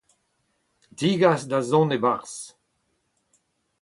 degas da zont e-barzh